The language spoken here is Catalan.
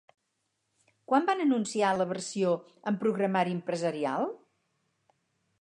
Quan van anunciar la versió amb programari empresarial?